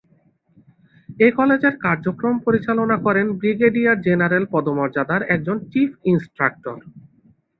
এ কলেজের কার্যক্রম পরিচালনা করেন ব্রিগেডিয়ার জেনারেল পদমর্যাদার একজন চীফ ইন্সট্রাক্টর।